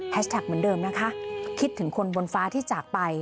เหมือนเดิมนะคะคิดถึงคนบนฟ้าที่จากไป